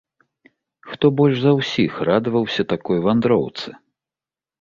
Хто больш за ўсіх радаваўся такой вандроўцы?